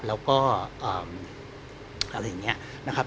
แล้วก็อะไรอย่างนี้นะครับ